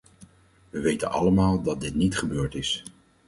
We weten allemaal dat dit niet gebeurd is.